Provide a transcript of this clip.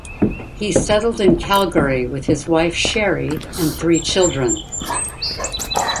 He settled in Calgary with his wife Sherrie and three children.